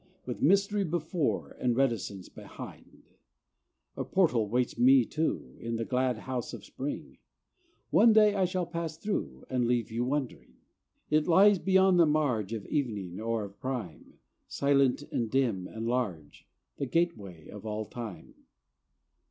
With mystery before, And reticence behind, A portal waits me too In the glad house of spring; One day I shall pass through And leave you wondering. It lies beyond the marge Of evening or of prime, Silent and dim and large, The gateway of all time.